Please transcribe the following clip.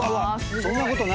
そんなことない！